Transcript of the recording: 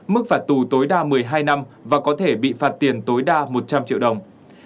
mức phạt tù tối đa một mươi hai năm và có thể bị phạt tiền tối đa một trăm linh triệu đồng